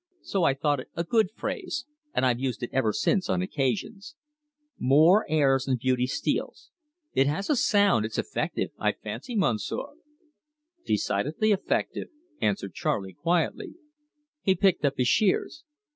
So I thought it a good phrase, and I've used it ever since on occasions. 'More airs than Beauty Steele.' It has a sound; it's effective, I fancy, Monsieur?" "Decidedly effective," answered Charley quietly. He picked up his shears.